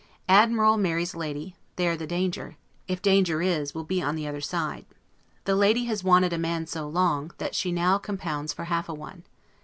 Admiral marries Lady; there the danger, if danger is, will be on the other side. The lady has wanted a man so long, that she now compounds for half a one.